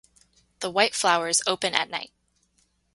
The white flowers open at night.